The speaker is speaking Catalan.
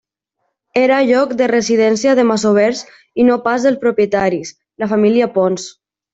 Era lloc de residència de masovers i no pas dels propietaris, la família Pons.